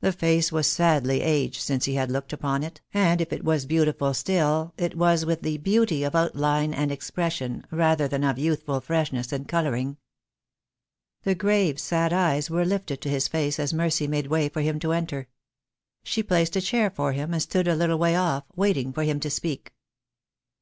The face was sadly aged since he had looked upon it, and if it was beautiful still it was with the beauty of outline and expression, rather than of youthful freshness and colouring. The grave sad eyes were lifted to his face as Mercy made way for him to enter. She placed a chair for him, and stood a little way off, waiting for him to speak, He THE DAY WILL COME.